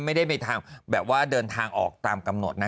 ไม่ได้ไปทางแบบว่าเดินทางออกตามกำหนดนะ